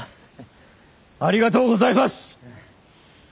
ありがとうございます。